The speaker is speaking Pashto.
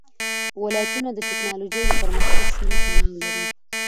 ولایتونه د تکنالوژۍ له پرمختګ سره تړاو لري.